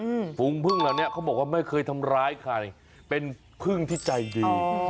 ฝูงพึ่งเหล่านี้เขาบอกว่าไม่เคยทำร้ายใครเป็นพึ่งที่ใจดีอืม